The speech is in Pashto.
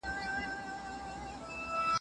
دا کور تر هغه بل کور ډېر ارامه او پراخه دی.